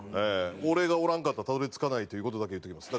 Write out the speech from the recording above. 俺がおらんかったらたどり着かないという事だけ言っておきます。